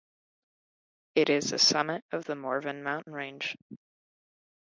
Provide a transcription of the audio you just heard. It is the summit of the Morvan mountain range.